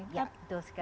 iya betul sekali